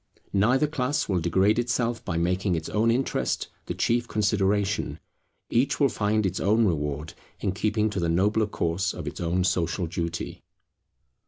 Neither class will degrade itself by making its own interest the chief consideration: each will find its own reward in keeping to the nobler course of its own social duty.